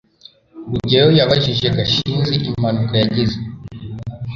rugeyo yabajije gashinzi impanuka yagize